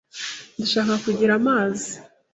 Ndashaka kugira amazi.